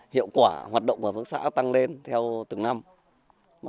hiệu quả hoạt động của hợp tác xã tăng lên theo từng năm